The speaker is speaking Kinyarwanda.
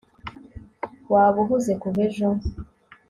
waba uhuze kuva ejo